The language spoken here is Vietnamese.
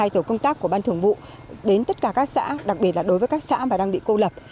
một mươi hai tổ công tác của ban thường vụ đến tất cả các xã đặc biệt là đối với các xã mà đang bị cô lập